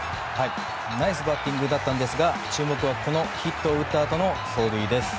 ナイスバッティングだったんですが注目はこのヒットを打ったあとの走塁です。